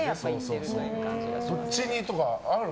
どっち似とかある？